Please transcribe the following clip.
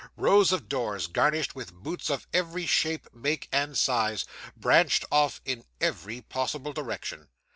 Rows of doors, garnished with boots of every shape, make, and size, branched off in every possible direction.